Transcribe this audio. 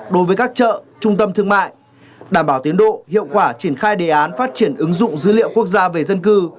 đối với các chợ trung tâm thương mại đảm bảo tiến độ hiệu quả triển khai đề án phát triển ứng dụng dữ liệu quốc gia về dân cư